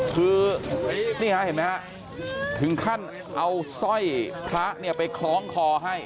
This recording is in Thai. คือนี่เห็นไหมครับถึงขั้นเอาสร้อยพระไปคล้องคอให้